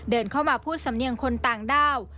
เดินเข้ามาพูดสำเนียงคนต่างด้าว